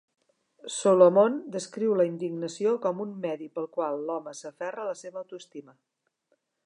Solomon descriu la indignació com un medi pel qual l"home s"aferra a la seva autoestima.